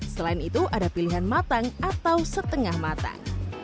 selain itu ada pilihan matang atau setengah matang